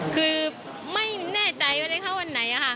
คือไม่แน่ใจว่าได้เข้าวันไหนค่ะ